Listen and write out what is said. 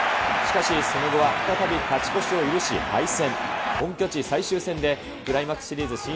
しかし、その後は再び勝ち越しを許し敗戦。